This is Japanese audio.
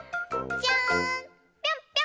ぴょんぴょんぴょん！